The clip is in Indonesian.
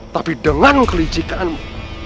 tapi dengan kelicikanmu